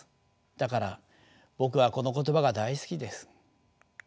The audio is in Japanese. だから僕はこの言葉が大好きです。